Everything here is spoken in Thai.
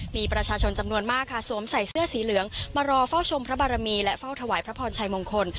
มีประชาชนจำนวนมากค่ะสวมใส่เสื้อสีเหลืองมารอเฝ้าชมพระบารมีและเฝ้าถวายพระพรชัยมงคล